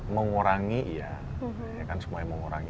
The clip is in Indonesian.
mengurangi ya semuanya mengurangi